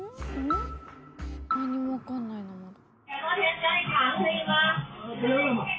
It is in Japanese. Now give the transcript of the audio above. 何もわかんないなまだ。